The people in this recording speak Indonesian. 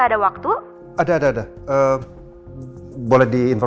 masih ada di mulutnya papa